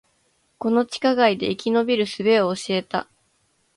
この地下街で生き延びる術を教えた